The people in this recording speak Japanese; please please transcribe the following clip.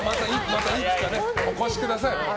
またいつかお越しください。